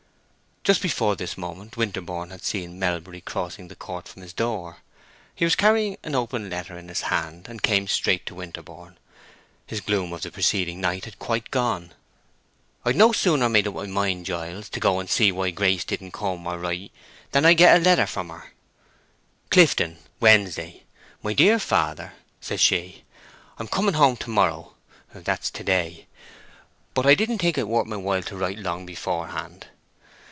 Just before this moment Winterborne had seen Melbury crossing the court from his door. He was carrying an open letter in his hand, and came straight to Winterborne. His gloom of the preceding night had quite gone. "I'd no sooner made up my mind, Giles, to go and see why Grace didn't come or write than I get a letter from her—'Clifton: Wednesday. My dear father,' says she, 'I'm coming home to morrow' (that's to day), 'but I didn't think it worth while to write long beforehand.